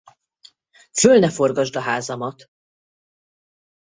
Föl ne forgasd a házamat.